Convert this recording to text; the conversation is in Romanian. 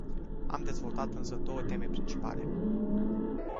Am dezvoltat însă două teme principale.